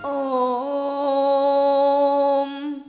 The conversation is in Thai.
โอ้ม